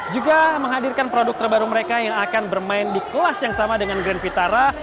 juga menghadirkan produk terbaru mereka yang akan bermain di kelas yang sama dengan grand vitara